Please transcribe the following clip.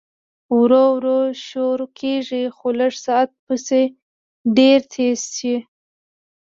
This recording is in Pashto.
ورو ورو شورو کيږي خو لږ ساعت پس ډېر تېز شي